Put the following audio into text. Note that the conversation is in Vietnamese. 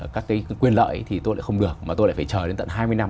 các cái quyền lợi thì tôi lại không được mà tôi lại phải chờ đến tận hai mươi năm